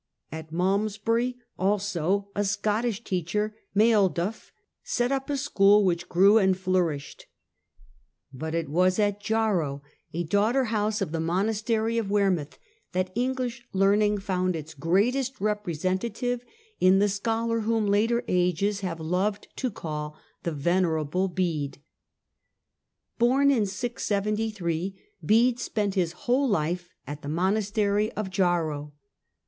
At Malmesbury also a Scottish teacher, Mailduf, set up a school, which grew and flourished. But it was at Jarrow, a daughter house of the monastery of Wearmouth, that English learning found its greatest representative in the scholar whom later ages have loved to call the "Venerable" Bede. Born in 673, Bede spent his whole life at the monastery of Jarrow.